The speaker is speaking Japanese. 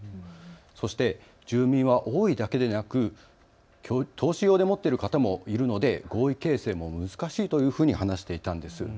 そして住民が多いだけではなく投資用で持っている方もいるので合意形成も難しいというふうに話していたんです。